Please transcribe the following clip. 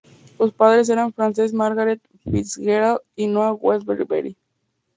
Sus padres eran Frances Margaret Fitzgerald y Noah Webster Beery.